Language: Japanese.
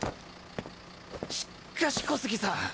しっかし小杉さん